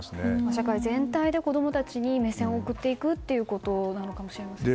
社会全体で子供たちに目線を送っていくということなのかもしれませんね。